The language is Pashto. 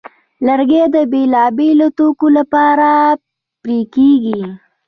لرګی د بېلابېلو توکو لپاره پرې کېږي.